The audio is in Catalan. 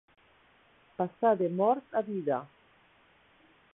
Passar de mort a vida.